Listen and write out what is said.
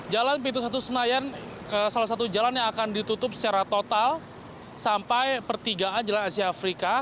jalan pintu satu senayan salah satu jalan yang akan ditutup secara total sampai pertigaan jalan asia afrika